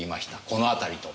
「この辺り」と。